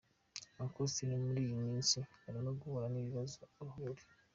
Uncle Austin muri iyi minsi arimo guhura n'ibibazo uruhuri.